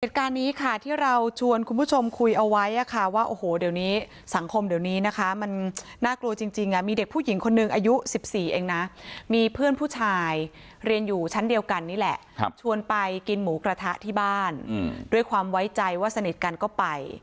เหตุการณ์นี้ค่ะที่เราชวนคุณผู้ชมคุยเอาไว้ค่ะว่าโอ้โหเดี๋ยวนี้สังคมเดี๋ยวนี้นะคะมันน่ากลัวจริงมีเด็กผู้หญิงคนหนึ่งอายุ๑๔เองนะมีเพื่อนผู้ชายเรียนอยู่ชั้นเดียวกันนี่แหละชวนไปกินหมูกระทะที่บ้านด้วยความไว้ใจว่าสนิทกันก็ไป